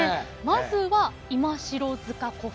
まずは今城塚古墳